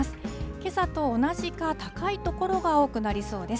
けさと同じか、高い所が多くなりそうです。